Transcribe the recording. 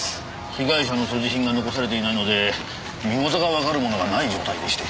被害者の所持品が残されていないので身元がわかる物がない状態でして。